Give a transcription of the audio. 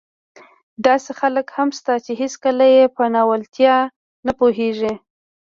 داسې خلک هم شته چې هېڅکله يې په ناولتیا نه پوهېږي.